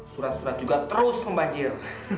surat surat juga terus membanjir